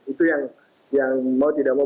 itu yang mau tidak mau